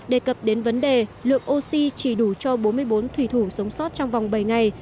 đề cập đến vấn đề lượng oxy chỉ đủ cho bốn mươi bốn thủy thủ sống sót trong vòng bảy ngày